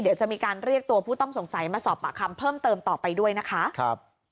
เดี๋ยวจะมีการเรียกตัวผู้ต้องสงสัยมาสอบปากคำเพิ่มเติมต่อไปด้วยนะคะครับ